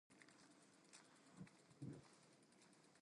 The town contains a hamlet also named Cairo.